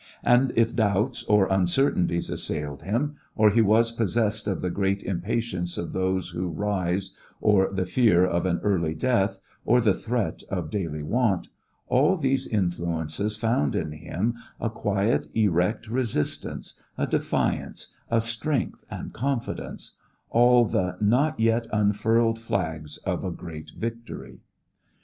And if doubts or uncertainties assailed him, or he was possessed of the great impatience of those who rise, or the fear of an early death, or the threat of daily want, all these influences found in him a quiet, erect resistance, a defiance, a strength and confidence all the not yet unfurled flags of a great victory.